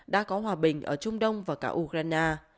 đã có hòa bình ở trung đông và cả ukraine